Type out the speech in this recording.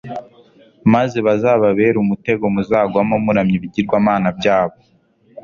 maze bazababere umutego muzagwamo muramya ibigirwamana byabo